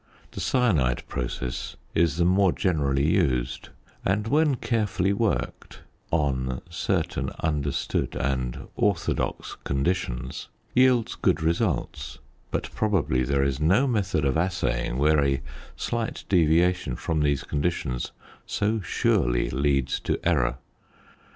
The cyanide process is the more generally used, and when carefully worked, "on certain understood and orthodox conditions," yields good results; but probably there is no method of assaying where a slight deviation from these conditions so surely leads to error.